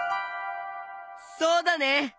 そうだね！